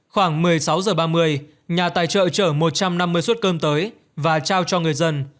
khoảng một mươi sáu h ba mươi nhà tài trợ chở một trăm năm mươi suất cơm tới và trao cho người dân